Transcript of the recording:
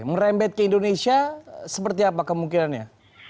merembet ke indonesia seperti apa kemungkinannya